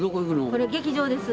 これ劇場です。